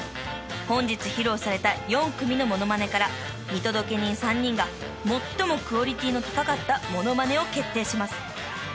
［本日披露された４組のモノマネから見届け人３人が最もクオリティーの高かったモノマネを決定します］